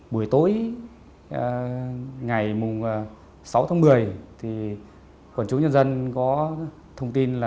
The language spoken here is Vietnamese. buổi tối ngày sáu tháng một mươi thì khuẩn chống nhân dân có thông tin là